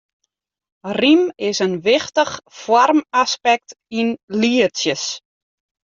Rym is in wichtich foarmaspekt yn lietsjes.